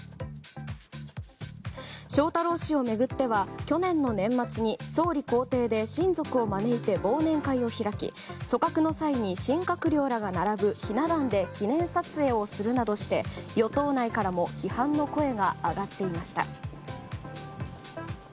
翔太郎氏を巡っては去年の年末に、総理公邸で親族を招いて忘年会を開き組閣の際に新閣僚らが並ぶひな壇で記念撮影をするなどして与党内からも批判の声が上がっていました。